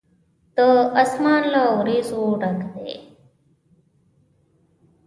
دا آسمان له وريځو ډک دی.